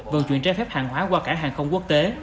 vận chuyển trái phép hàng hóa qua cảng hàng không quốc tế